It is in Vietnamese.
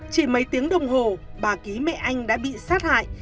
chỉ mấy tiếng đồng hồ bà ký mẹ anh đã bị sát hại